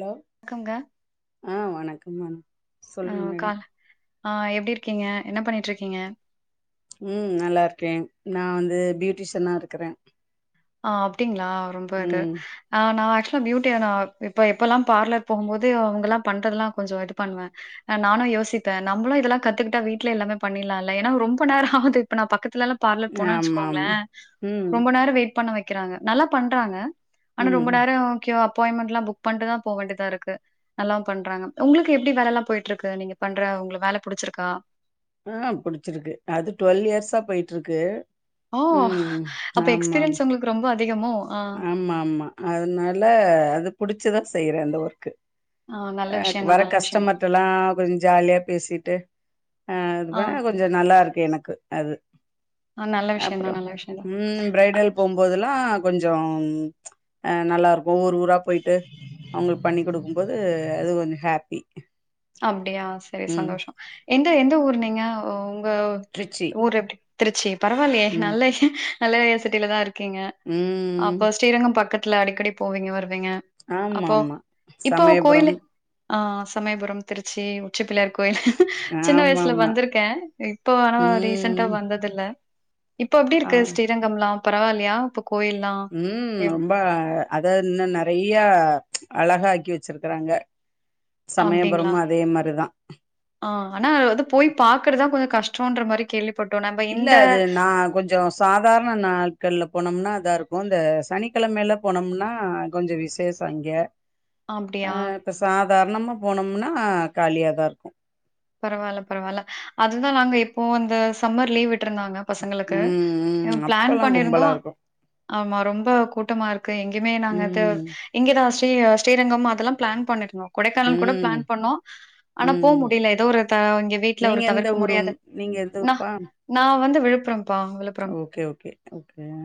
Hello கங்க ஆ வணக்கம் மேடம் ஆ சொல்லுங்க மேடம் காலு ஆ எப்டி இருக்கீங்க என்ன பண்ணிட்டிருக்கீங்க ம் நல்லா இருக்கே நா வந்து பியூட்டிஷனா இருக்கறே ஆ அப்டீங்ளா ரொம்ப அது ம் ஆ நா ஆக்சுவலா பியூட்டியனா இப்போ எப்பெல்லா பார்லர் போகும் போது அவங்கல்லா பண்றதெல்லா கொஞ்சோ இது பண்வே ஆ நானு யோசிப்பே நம்ளு இதெல்லா கத்துகிட்டா வீட்லே எல்லாமே பண்ணிட்லால்ல ஏனா ரொம்ப நேரோ ஆது இப்ப நா பக்கத்லல்லா பார்லர் போனா ஆமா வச்சுக்கோங்ளே ஆமா ம் ரொம்ப நேரோ வெயிட் பண்ண வக்கிறாங்க நல்லா பண்றாங்க ஆனா ம் ரொம்ப நேரோ க்யூ அப்பாயின்மென்ட்லா புக் பண்ட்டுதா போ வேண்டிதாருக்கு நல்லாவு பண்றாங்க உங்ளுக்கு எப்டி வேலல்லா போய்ட்ருக்கு நீங்க பண்ற உங்ள வேல புடிச்சிருக்கா ஆ புடிச்சிருக்கு அது ட்வெல் இயர்ஸா போய்ட்ருக்கு ஓ! ம் அப்ப ஆமாமா எக்ஸ்பீரியன்ஸ் உங்களுக்கு ரொம்ப அதிகமோ? ஆ. ஆமாமா அதுனால அது புடிச்சிதா செய்றே அந்த ஒர்க்கு நல்ல ஆ விஷயம் வர தான் நல்ல விஷயம் தான். கஸ்டமர்ட்டல்லா கொஞ்சொ ஜாலியா பேசிட்டு ஆ அது வேல கொஞ்சொ நல்லாருக்கு எனக்கு அது ஆ நல்ல விஷயம் அப்றோ தான் நல்ல விஷயம் தான். ம் ப்ரைடல் போம்போதெல்லா கொஞ்சொ ஆ நல்லாருக்கு ஊர் ஊரா போய்ட்டு அவுங்களுக்கு பண்ணி குடுக்கும்போது அது கொஞ்சோ ஹேப்பி அப்டியா செரி சந்தோஷொ எந்த எந்த ஊர் நீங்க உங்க திருச்சி ஊர் எப்டி திருச்சி பரவால்லேயே நல்ல நல்லவே சிட்டில தா இருக்கீங்க ம் அப்ப ஸ்ரீரங்கம் பக்கத்துல அடிக்கடி போவீங்க வருவீங்க ஆமா அப்போ ஆமா இப்போ கோய்லு சமயபுரம் ஆ சமயபுரம் திருச்சி உச்சி பிள்ளையார் கோயில் சின்ன ஆமா வய்சுல ஆமா வந்திருக்கே இப்போ ஆனா ரீசென்ட்டா ம் வந்த தில்ல இப்ப எப்டி ஆ இருக்கு ஸ்ரீரங்கம்லா பரவால்லயா இப்ப கோயில்லா ம் ரொம்ப அத இன்னு நறையா அழகாக்கி வச்சிருக்கறாங்க அப்டிங்ளா சமயபுரமு அதே மாரிதா ஆ ஆனா அது வந்து போய் பாக்குறதா கொஞ்சொ கஷ்டோன்ற மாரி கேள்வி இல்ல அது நா கொஞ்சோ சாதாரண நாள்கள்ல போனம்னா அதாருக்கு இந்த சனிக்கெழமைல போனம்னா கொஞ்சொ விசேஷே அங்கே அப்டியா? ஆ இப்ப சாதாரணமா போனம்னா காலியாதாருக்கு பரவால்ல பரவால்ல அதுதா நாங்க இப்போ அந்த சம்மர் லீவ் விட்ருந்தாங்க பசங்களுக்கு ம் ம் பிளான் அப்பல்லா பண்ணிருந்தோ கும்பலா இருக்கு ஆமா ரொம்ப கூட்டமாருக்கு எங்கிமே நாங்க த ம் இங்கதா ஸ்ரீ ஸ்ரீரங்கம் அதெல்லா பிளான் பண்ணிருந்தோ கொடைக்கானல் கூட ம் பிளான் பண்ணோ ஆனா போ ம் மு டில எதோ ஒரு த இங்க வீட்ல நீங்க ஒரு எந்த தவிர்க்க ஊரு முடியாத நீங்க எந்த நா ஊருப்பா நா வந்து விழுப்புரம்பா விழுப் ஓகே ஓகே ஓகே ஆ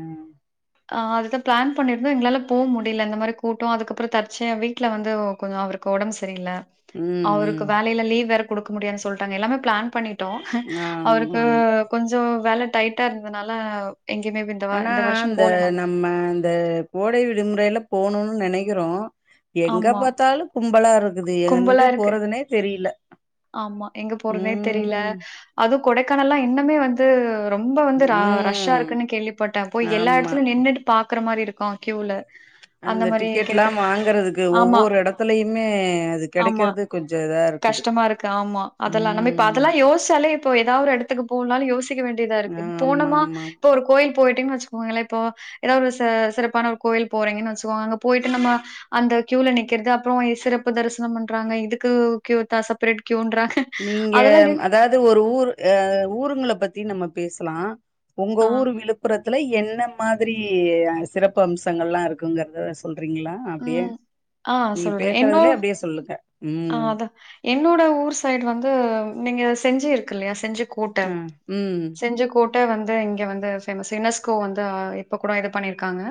ஆ அது தா பிளான் பண்ணிருந்தோ எங்ளால போ முடில இந்த மாரி கூட்டோ அதுக்கப்றோ தற்ச்சையா வீட்ல வந்து கொஞ்சொ அவ்ரு க்கு ஒடம் சரில்ல ம் அவ்ருக்கு ம் வேலைல லீவ் வேற குடுக்க முடியான் சொல்ட்டாங்க எல்லாமே பிளான் பண்ணிட்டோ ஆமா அவருக்கு ஆமா கொஞ்சோ வேல டைட்டா இருந்ததுனால எங்கேயிமே வெ ஆனா இந்த நம் ம இந்த கோடை விடுமுறைல போனுனு நெனக்கிறோ எங்க ஆமா. பாத்தாலு கும்பலாருக்குது கும்பலா எங்க இருக்கு. போறதுனே தெரில ஆமா எங்க போறத்னே தெரில ம் அதுவு கொடைக்கானல்லா இன்னுமே வந் து ரொம்ப வந்து ரா ரஷ்ஷா ம் இருக்குன் கேள்விப்பட்டே போய் எல்லா ஆமா எடத்துலயு நின்னுட்டு பாக்ற மாரி இருக்கு க்யூல அந்த டிக்கெட்லா வாங்குறதுக்கு ஆமா, ஒவ்வொரு எடத்துலயுமே அது ஆமா. கெடைக்கிறது கொஞ்சொ இதாரு கஷ்டமா இருக்கு ஆமா அதெல்லா நம்ம இப்ப அதெல்லா யோசிச்சாலே இப்போ ஏதா ஒரு எடத்துக்கு போன்னாலு யோசிக்க வேண்டிதா இருக்கு ஆமா போனமா ஆமா இப்ப ஒரு கோயில் போயிட்டிங்கன்னு வெச்சிக்கோங்கலே இப்போ ஏதா ஒரு சிறப்பான ஒரு கோயில் போறீங்கன்னு வெச்சுக்கோங்க அங்க போயிட்டு நம்ம அந்த கியூல நிக்கிறது அப்றோ சிறப்பு தரிசனம் பண்றாங்க இதுக்கு கியூ தா சப்ரேட் கியூன்றாங்க நீங்க அதெல்லாம் டெய்லி அதாது ஒரு ஊர் அ ஊருங்கள பத்தி நம்ம பேசலா உங்க ஆ. ஊரு விழுப் புரத்துல என்ன மாரி சிறப்பு அம்சங்கள்லா இருக்குங்கறத சொல்றீங்ளா அப்டியே ம். ஆ நீங்க சொல்றேன். என்னோ பேசறதுலே அப்டியே சொல்லுங்க ஆ ம் அதான். என்னோட ஊர் சைடு வந்து நீங்க செஞ்சி இருக்குல்லையா செஞ்சி கோட்ட ஆ. ம். செஞ்சி கோட் கோட்ட வந்து இங்க வந்து ஃபேமஸ் யுனெஸ்கோ வந்து இப்ப கூடோ இது பண்ணிருக்காங்க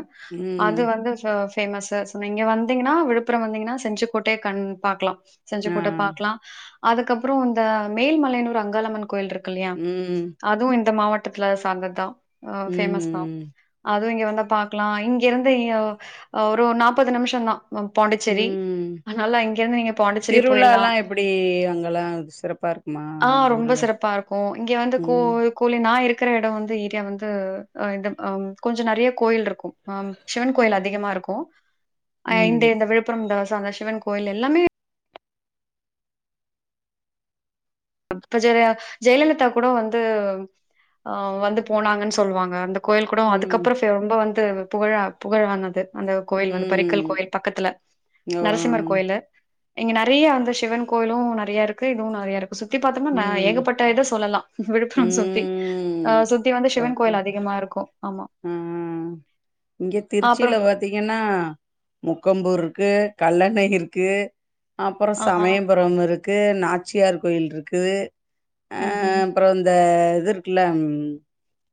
அது ம். வந்து ச ஃபேமஸசஸ் இப்ப நீங்க வந்தீங்னா விழுப்புரம் வந்தங்கன்னா செஞ்சுக்கோட்டைய கண் பாக்கலா ஆ. செஞ்சுக்கோட்ட பாக்கலா அதுக்கப்றம் இந்த மேல்மலையனூர் அங்காளம்மன் கோயில் இருக்குல்லையா ம். அதுவு இந்த மாவட்டத்துல சார்ந்ததுதா அ பேமஸ் தா ம். அதுவு இங்க வந்த பாக்கலா இங்க இருந்து இ ய ஒரு நாப்பது நிமிஷம் தா ம் பாண்டிச்சேரி ம். அத்னால இங்க இருந்து நீங்க பாண்டிச்சேரி போயில்லா திருவிழாலா எப்டி அங்கலா சிறப்பா இருக்குமா ஆ உங்க ரொம்ப ஊர்ல? சிறப்பா இருக்கு இங்க வந்து ம். கோவி கோலி நா இருக்கற எடோ வந்து ஏரியா வந்து அ இதம் அம் கொஞ்ச நெறைய கோயில்ருக்கும் அம் சிவன் கோயில் அதிகமா இருக்கு ம். அண்டு இந்த விழுப்புரம் தவச சிவன் கோயில் எல்லாமே இப்ப ஜெலியா ஜெயலலிதா கூடோ வந்து ஆ வந்து போனாங்கன்னு சொல்லுவாங்க அந்த கோயில் கூடோ ம். அதுக்கப்றோ ரொம்ப வந்து புகழா புகழ் வந்தது அந்த கோயில் வந்து பறிக்கல் ம். கோயில் பக்கத்துல ஓ! நரசிம்மர் கோயிலு இங்க நெறையா வந்த சிவன் கோயிலும நெறைய இருக்கு இதுவு நெறைய இருக்கு சுத்தி பாத்தோம்னா நா ம். ஏகப்பட்ட இத சொல்லலா விழுப்புரம் சுத்தி அ ம். சுத்தி வந்து சிவன் கோயில் அதிகமா இருக்கு ஆமா அ இங்க அப்புறோ திருச்சில பாத்தீங்கன்னா முக்கம்பூர் இருக்கு கல்லணை இருக்கு அப்றோ ஆஹா சமயபுரம் இருக்கு நாச்சியார் கோயில் இருக்குது ஆ ம் ம் அப்றோ அந்த இது இருக்குல்ல ம்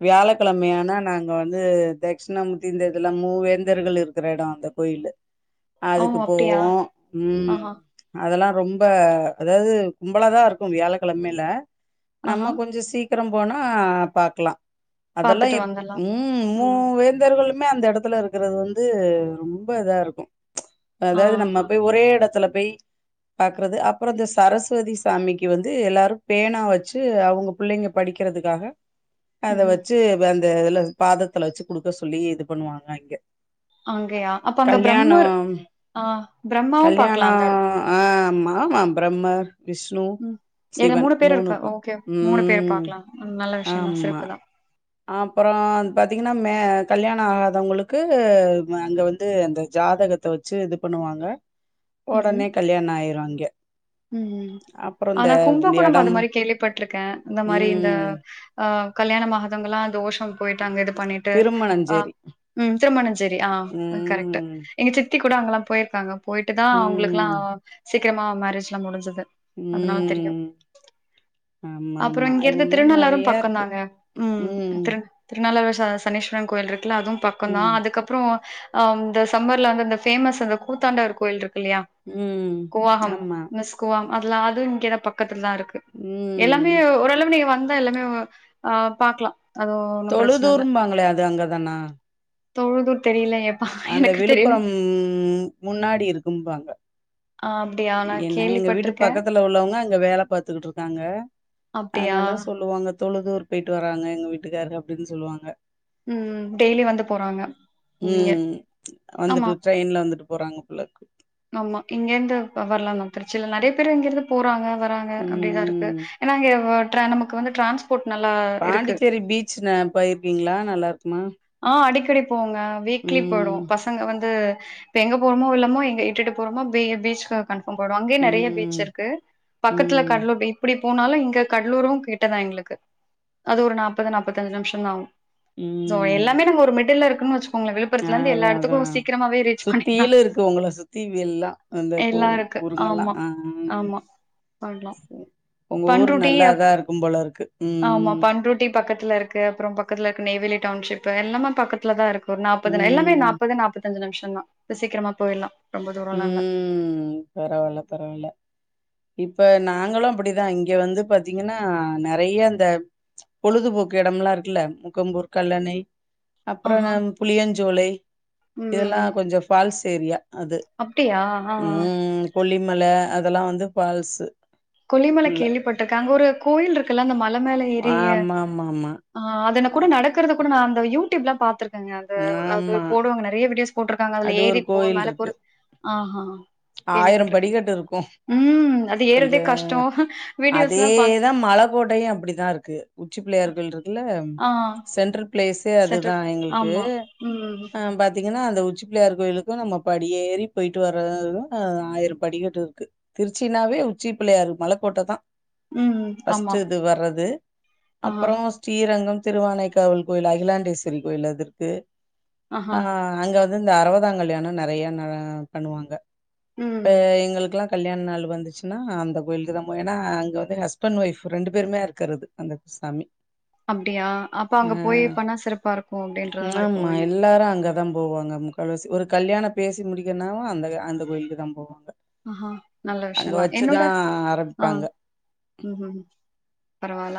வியாழக்கெழமையானா நாங் இங்க வந்து தட்சிணா மூர்த்தி இந்த இதுலா மூவேந்தர்கள் இருக்குற எடோ அந்த கோயிலு ஓ அதுக்கு அப்டியா போவோ ம் ஆஹா அதெல்லா ரொம்ப அதாது கும்பலாதா இருக்கு வியாழக்கெழமையில ஆஹா நம்ம கொஞ்சோ சீக்கரம் போனா பாக்கலா அதெல்லா பாத்துட்டு எப் வந்துல் ம் மூவேந்தர்களுமே அந்த எடத்துல இருக்குறது வந்து ரொம்ப இதா இருக்கு அதாது நம்ம ஆஹா போய் ஒரே எடத்துல போய் பாக்குறது அப்பறோ இந்த சரஸ்வதி சாமிக்கு வந்து எல்லாரு பேனா வச்சு அவுங்க புள்ளைங்க படிக்கறதுக்காக அத ம் வச்சு ப அந்த இதுல பாதத்துல வச்சு குடுக்க சொல்லி இது பண்ணுவாங்க இங்க அங்கையா அப்ப அங்க பிரம்மர் கல்யாணம் ஆ பிரம்மாவு பாக்லா அந்த கல்யாணம் எடத் ஆ ஆமா பிரம்மர் விஷ்ணு ம் இதுல சிவன் பேர் மூணு இருக்கா இருக்கு ஓகே மூணு பேர் ம் பாக்கலாம் ம் நல்ல விஷயம் தான் ஆமா சிறப்பு தான் அப்பறோ பாத்தீங்கன்னா மே கல்யாண ஆகாதவங்களுக்கு அங்க வந்து அந்த ஜாதகத் த வச்சு இது பண்ணுவாங்க ம்ஹ்ம் உடனே கல்யாண ஆயிரு அங்கே ம் ஆனா கும்பகோணம் அது இடம் மாரி கேள்விப்பட்டுருக்கே இந்த மாரி இந்த ம் ஆஹ் கல்யாணம் ஆகாதவங்களா தோஷம் போயிட்டாங்க இது பண்ணிட்டு ஆஹ் திருமணஞ்சேரி உ. ம் திருமணஞ்சேரி ஆஹ் கரெக்ட்டு ம் எங்க சித்தி கூட அங்கெல்லா போயிருக்காங்க போயிட்டு தா அவுங்களுக்கெல்லா ம் சீக்கிரமா மேரேஜ்லா முடிஞ்சது அதுனால தெரியு ம் ஆமா அப்பறோ ஆமா அது இங்கருந்து மாரி திருநள்ளாரு நெறைய பக்கோ இருக்கு தானே ம் திரு திருநள்ளாரு ச சனீஸ்வரன் கோயில் இருக்குல அதுவு பக்கோ தா ம் அதுக்கு அப் அப்பறோ ஆஹ் இந்த சம்மர்ல வந்து அந்த ஃபேமஸ் அந்த கூத்தாண்டவர் கோயில் இருக்கு இல்லையா ம் கூவாகம் ஆமா மிஸ் கூவம் அதெல்லா அது இங்க தா பக்கத்துல தா இருக்கு எல்லாமே ம் ஓரளவு நீங்க வந்தா எல்லாமே ஆஹ் பாக்கலா அது ஒன்னு பிரச்சன இல்ல தொழுதூருபாங்களே அது அங்கதானா தொழுதூர் தெரியலையேப் அந்த விழுப்புரம் முன்னாடி இருக்கும்பாங்க ஆஹ் அப்பிடியா நா கேள்விப்பட்டுருக்கே வீட்ல உள்ளவங்க அங்க வேல பாத்துக்கிட்டு இருக்காங்க அப்டியா அதனால சொல்லுவாங்க தொழுதூர் போயிட்டு வராங்க எங்க வீட்டுக்காரரு அப்டின்னு சொல்லுவாங்க ம் ம் டெய்லி வந்து போறாங்க இங்க ம் ஆமா வந்துட்டு ட்ரெயின்ல வந்துட்டு போறாங்க போல ஆம்மா இங்கேருந்து வர்லா தா திருச்சில நெறைய பேரு இங்கருந்து போறாங்க வராங்க அப்பிடிதா இருக்கு ம் ஏனா இங்க ஓட்றா நமக்கு வந்து ட்ரான்ஸ் போட் நல்லா இருக்கு. பாண்டிச்சேரி பீச் ந போயிருக்கீங்களா நல்லா இருக்குமா ஆஹ் அடிக்கடி போவேங்க வீக்லி போயிடுவோ ம் பசங்க வந்து இப்ப எங்க போறோமோ இல்லமோ எங்க இட்டுட்டு போறோமோ பீ் பீச்க்கு கன்ஃபார்ம் போயிடுவோம் அங்கயு நெறைய ம் பீச் இருக்கு பக்கத்துல ம் கடலூர் இப்டி போனாலு இங்க கடலூரு கிட்டதா எங்களுக்கு அது ஒரு நாப்பது நாப்பத்தஞ்சி நிமிஷ தா ஆவு சோ ம் எல்லாமே நாங்க ஒரு மிடில்ல இருக்குன்னு வச் உங்கள ஆ விழுப்புரத்துலருந்து அதா எல்லா அதா எடத்துக்கு சீக்கிரமாவே ரீச் பண்ணிரலா சுத்திலு இருக்கு உங்கள சுத்தி எல்லா அந்த ஊ எல்லாருக்கு ஊருங்கல்லா ஆம்மா ஆ ஆம்மா பண்லா உங்க ஊரு நல்லா இதா இருக்கு போல இருக்கு ம் ம் டி பக்கத்துல இருக்கு அப்புறோ பக்கத்துல இருக்கு நெய்வேலி டவுன்ஷிப் எல்லாமே பக்கத்துல தா இருக்கு ஒரு நாப்பது எல்லாமே ம் நாப் முப்பது நாப்தஞ்சு நிமிஷோ தா சீக்கிரமா போயிறலா ம் பரவால பரவால இப்ப நாங்களு அப்டிதா இங்க வந்து பாத்தீங்கன்னா நறைய அந்த பொழுதுபோக்கு இடம் லா இருக்குல்ல முக்கம்பூர் கல்லணை அப்ரோ ஆஹா. புளியஞ்சோளை ம், இதெல்லா கொஞ்சோ ஃபால்ஸ் ஏரியா அது அப்டியா ம் கொல்லிமல அதெல்லா வந்து ஃபால்ஸ் கொல்லிமல கேள்விப்பட்டிருக்கே அங்க ஒரு கோவில் இருக்குல அந்த மல மேல ஏரி ஆமாமாமா ஹ அதன கூட அ நடகறத கூட நா அந்த யூடியூப் லா பாத்திருக்கே அது ஆமா போரோங்க நறைய வீடியோஸ் போட்டிருக்காங்க அதுல அது ஏறி ஒரு போ கோயில் மேல போ இருக்கு ஆஹ்ஹா ஆயிரம் கேள்விப்பட்டிருக்கே படிக்கட்டு இருக்கு உம் அது ஏறதே கொஞ்ச கஷ்டோ வீடியோஸ் லா பா கோட்டையு அப்டிதா இருக்கு உச்சி பிள்ளையர் கோயில் இருக்குல ஆ சென்ட்ரல் ப்ளேசே அதுதா செட்டில் எங்களுக்கு ஆமா. ம். அ பத் பாத்தீங்கன்னா அந்த உச்சிப்பிள்ளையார் கோயிலுக்கு நம்ம படியேறி போய்ட்டு வரது [unintelligible] ஆ ஆயிர படிக்கட்டு இருக்கு திருச்சினாவே உச்சி பிள்ளையார் மலக்கோட்ட தா ம் ஆமா ஃபஸ்ட்டு இது வரது ஆ அப்ரோ ஸ்ரீரங்கம் திருவானைக்காவல் கோயில் அகிலாண்டேஸ்வரி கோயில் அது இருக்கு ஆஹா ஆ அங்க வந்து இந்த அறுவதா கல்யாணோ நறைய ந பண்ணுவாங்க இப்ப ம் எங்களுக்கெல்லா கல்யாண நாள் வந்துச்சினா அந்த கோயிலுக்கு தா போவோ ஏனா அங்க வந்து ஹஸ்பண்ட் ஒய்ஃப் ரெண்டு பேருமே இருக்கிறது அந்த சாமி அப்டியா அப்ப அ அங்க போய் பண்ணா சிறப்பா இருக்கு அப்டின்றது மாரி ஆமா போவீங்க எல்லாரு அங்கதா போவாங்க ஆமா கொலசு ஒரு கல்யாண பேசி முடிக்கனாவு அந்த அந்த கோயிலுக்கு தா போவாங்க ஆஹா நல்ல அங்க விஷயந்தா என்னோட வச்சுதான் ஆ ஆரம்பிப்பாங்க. ம் ம் பரவால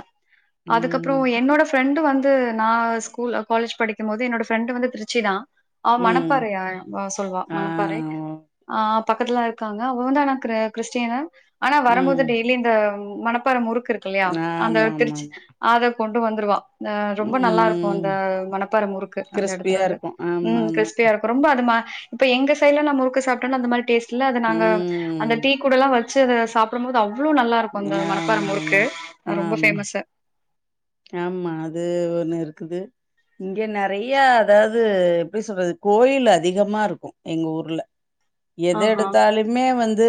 அதுக்கப்புரோ ம். என்னோட ஃப்ரெண்டு வந்து து நா ஸ்கூல் காலேஜ் படிக்கு போது என்னோட ஃப்ரெண்ட்டு வந்து திருச்சி தா அவ ம். மணப்பாறையா ஆ சொல்லுவா ஆ. மணப்பாறை ஆ பக்கத்ல காங்க அவ வந்து ஆனா க்ரு க்றிஸ்டினு ஆனா வரம்போது ம். டெய்லி இந்த மனப்பார முறுக்கு ருக்கு இல்லையா அந்த ஆமாமாமா. திருச்சி அத கொண்டு வந்துருவா அ ரொம்ப நல்லா இருக்கு ம். அந்த மணப்பாற முறுக்கு அந்த எடத்துல கிறிஸ்பியா அது இருக்கும். ம் ஆமாமா. க்றிஸ்பியா இருக்கு ரொம்ப அதுமா இப்ப எங்க சைடுல நா முருக்கு சாப்ட்டன்னா அந்த மாரி டேஸ்ட்டுல்ல அது நாங்க அந்த ம். டீ கூடலா வச்சு அத சாப்டும் போது அவ்லோ நல்லா இருக்கு அந்த மணப்பார முருக்கு ஆமாமா. ரொம்ப ஆமா. ஃபேமஸ்சு ஆமா அது ஒண்ணு இருக்குது இங்க நறைய அதாது எப்டி சொல்றது கோயில் அதிகமா இருக்கு எங்க ஊர்ல எத ஆஹா எடுத்தாலுமே வந்து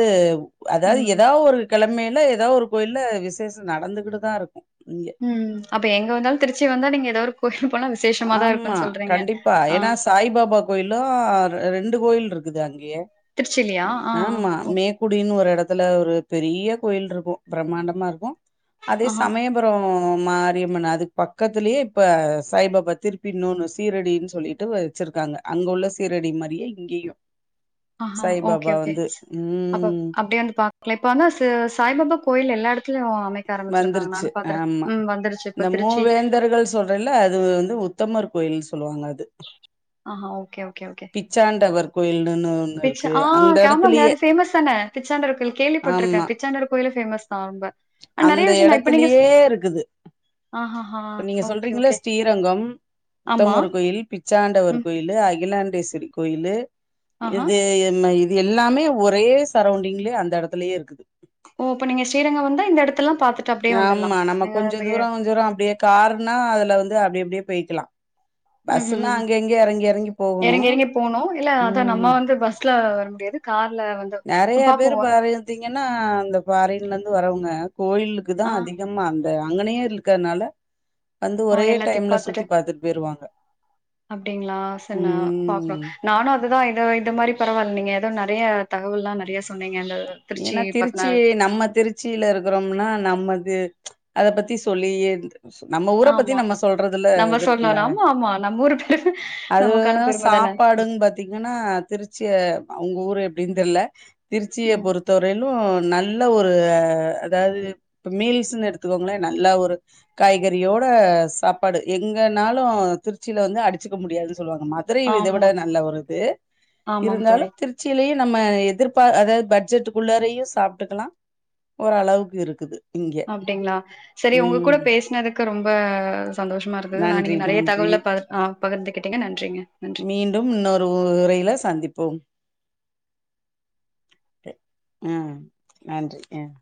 அதாது ம் ஏதா ஒரு கெழமையில ஏதா ஒரு கோயில்ல விசேஷோ நடந்துகிட்டு தா இருக்கு இங்க ம் அப்ப எங்க வந்தாலு திருச்சி வந்தா நீங்க ஏதோருக்கோ கோயில் போனா விஷேசோ ஆம்மா கண்டிப்பா ஏனா சாய் பாபா கோயிலு ரெண்டு கோயில் இருக்குது அங்கயே திருச்சிலயா ஆ ஆமா ஓகே மே குடினு ஒரு எடத்துல ஒரு பெரிய கோயில் இருக்கு பிரமாண்டமா இருக்கு அதே ஆஹா சமயம் புரம் மாரியம்மன் அதுக்கு பக்கத்திலேயே இப்ப சாய்பாபா இப்ப திருப்பி இன்னொனு சீரடினு சொல்லிட்டு வச்சிருக்காங்க அங்க உள்ள சீரடி மாரியே இங்கேயு ஆஹா ஓகே ஓகே அப்ப ம் அப்டியே வந்து பாக் லா இப்ப வந்து ச சாய்பாபா கோயில் எல்லா எடத்லயு வைக்க ஆரம்பிச்சிருக்காங்க வந்துருச்சு நானு பாக்குற ம் வந்துருச்சு இப்ப திருச்சி சொல்றல்ல அது வந்து உத்தமர் கோயில் சொல்லுவாங்க அது ஆஹா ஓகே ஓகே ஓகே பிச்சாண்டவர் கோயினுன்னு ஒன்னு பிச்ச ஆ ஆமாங்க அது பேமஸ்தான பிச்சாண்டவர் கோவில் கேள்விபட்ருக்க ஆமா பிச்சாண்டவர் கோயிலே ஃபேமஸ் தா ரொம்ப ஆனா நெறைய அந்த விஷயம் நான் இப்ப நீங்க ஸ் எடத்துலியே இருக்குது ஆஹஹா! இப்ப நீங்க ஓகே, சொல்றீங்கல்ல ஓகே. ஸ்ரீரங்கம் ஆமா. உத்தமர் கோயில் பிச்சாண்டவர் ம். கோயில்லு அகிலாண்டேஸ்வரி கோயில்லு ஆஹா! இது என்மயில் இது எல்லாமே ஒரே சரௌண்டிங்லயே அந்த எடத்துலயே இருக்குது ஓ அப்ப நீங்க ஸ்ரீரங்கோ வந்து எடத்தல்லா பாத்து ஆமா நம்ம கொஞ்சோ தூரோ தூரோ அப்டியே கார்ன்னா அதுல வந்து அப்டி அப்டியே போய்க்கலா ம் பஸ்ஸுன்னா ம் அங்க இங்க எறங்கி எறங்கி போகணு எறங்கி எறங்கி போனோ இல்ல அதா ம் நம்ம வந்து பஸ் ல வர முடியாது கார்ல வந் நெறைய பேரு பார இந்திங்னா அந்த பாரின்லந்து வரவங்க கோயிலுக்கு தா ஆ. அதி கமா அந்த அங்கனே இழுக்கனால வந்து ஆ ஒரே எல்லாத்தையு டைம்ல சுத்தி பாத்துட்டு போயிருவாங்க அப்டிங்களா சரி நா பாக்குறோ ம் நானு அதுதா இதோ இந்த மாரி பரவால்ல நீங்க எதோ நெறைய தகவல்லா நெறைய சொன்னீங்க இந்த திருச்சி பத்னா நம்ம திருச் ச்சில இருக்குறோம்னா நம்மது அத பத்தி சொல்லியே நம்ம ஊர பத்தி ஆமா நம்ம சொல்றதுல நம்ம இது இருக்குல்ல சொல்லனு ஆமா ஆமா நம்ம ஊரு பெரும அது நமக்கான பெரும சா தான ப்பாடுன் பாத்தீங்கன்னா திருச்சி அவுங்க ஊரு எப்டின் தெர்ல திருச்சிய ம் பொறுத் த வரையிலு நல்ல ஒரு அதாது இப்ப மீல்ஸ்ன்னு எடுத்துக்கோங்களே நல்லா ஒரு காய்கறியோட சாப்பாடு எங்கனாலு திருச்சில வந்து அடிச்சுக்க முடியாதுன் சொல்லுவாங்க மா துரையு இத விட ஆமா நல்ல வருது ஆமாம் இருந்தாலு தோழி திருச்சிலயு நம்ம எதிர்பார் அதாது பட்ஜெட்டுக்குள்ளாரையு சாப்ட்டுக்கலா ஓரளவுக்கு இருக்குது இங்க அப்டிங்ளா செரி உங்க கூட ம் பேசுனதுக்கு ரொம்ப அ சந்தோஷமா இருக்குது நா நன்றி நீங்க நெறைய நன்றி தகவல ப ஆ பகிர்ந்துக்கிட்டீங்க நன்றிங்க நன்றி மீண்டும் இன்னொரு உரைல சந்திப்போம் ம் நன்றி ம்